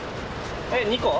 えっ２個？